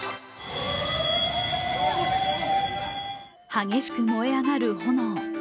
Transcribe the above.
激しく燃え上がる炎。